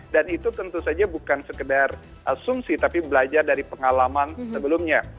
dan itu tentu saja bukan sekedar asumsi tapi belajar dari pengalaman sebelumnya